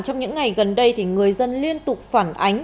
trong những ngày gần đây thì người dân liên tục phản ánh